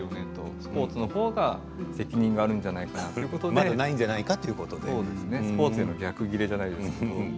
スポーツのほうが責任があるんじゃないかということでスポーツへの逆ギレじゃないですけど。